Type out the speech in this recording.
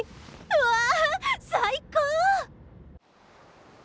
うわ最高！